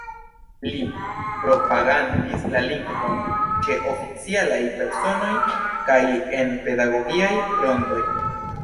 Li propagandis la lingvon ĉe oficialaj personoj kaj en pedagogiaj rondoj.